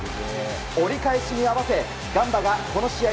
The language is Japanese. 折り返しに合わせガンバがこの試合